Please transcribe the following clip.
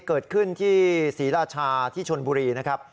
เกิดขึ้นที่ศรีราชาที่ชนบุรีนะครับ